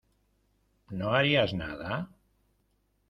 ¿ no harías nada?